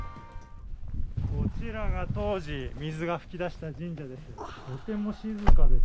こちらが当時、水が噴き出した神社です。